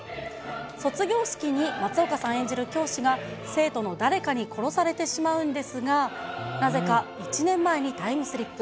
卒業式に松岡さん演じる教師が、生徒の誰かに殺されてしまうんですが、なぜか１年前にタイムスリップ。